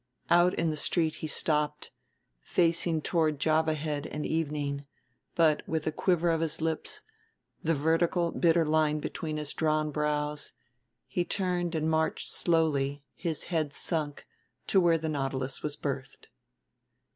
Out in the street he stopped, facing toward Java Head and evening; but, with a quiver of his lips, the vertical bitter line between his drawn brows, he turned and marched slowly, his head sunk, to where the Nautilus was berthed.